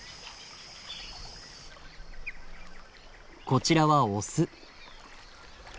こちらはオス。